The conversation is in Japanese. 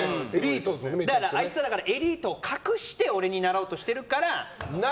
だから、あいつらからエリートを隠して俺になろうとしてるから。